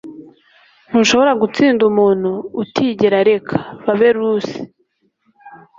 ntushobora gutsinda umuntu utigera areka. - babe rusi